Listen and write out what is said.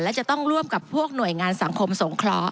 และจะต้องร่วมกับพวกหน่วยงานสังคมสงเคราะห